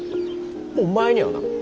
お前にはな